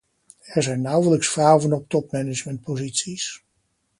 Er zijn nauwelijks vrouwen op topmanagementposities.